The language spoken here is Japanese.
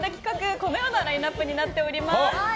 このようなラインアップになっております。